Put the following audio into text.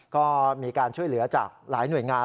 ก็มีการช่วยเหลือจากหลายหน่วยงาน